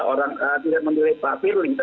orang tidak mendiri pak piruling